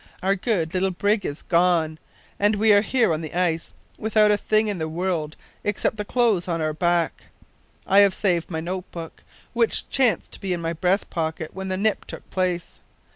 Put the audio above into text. Our good little brig is gone, and we are here on the ice without a thing in the world except the clothes on our backs. I have saved my note book, which chanced to be in my breast pocket when the nip took place.